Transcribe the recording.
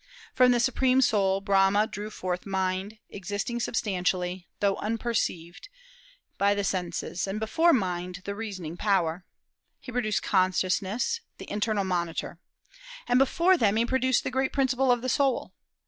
From the supreme soul Brahma drew forth mind, existing substantially, though unperceived by the senses; and before mind, the reasoning power, he produced consciousness, the internal monitor; and before them both he produced the great principle of the soul....